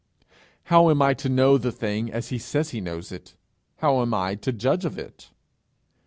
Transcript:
How am I to know the thing as he says he knows it? How am I to judge of it?